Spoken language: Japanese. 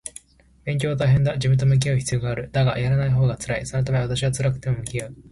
勉強は大変だ。自分と向き合う必要がある。だが、やらないほうが辛い。そのため私は辛くても向き合う